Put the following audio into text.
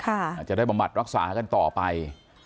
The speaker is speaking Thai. อาจจะได้บำบัดรักษากันต่อไป